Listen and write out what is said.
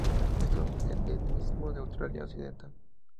Es un endemismo de Australia Occidental.